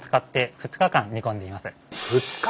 ２日間！